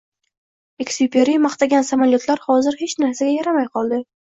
Ekzyuperi maqtagan samolyotlar hozir hech narsaga yaramay qoldi